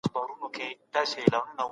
انسان به د خپلو عملونو حساب ورکوي.